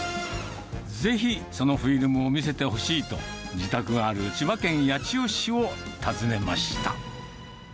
ぜひ、そのフィルムを見せてほしいと、自宅がある千葉県八千代市を訪ねました。